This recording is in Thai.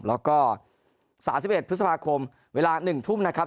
แล้วก็๓๑พฤษภาคมเวลา๑ทุ่มนะครับ